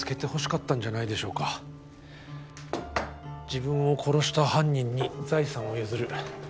自分を殺した犯人に財産を譲る。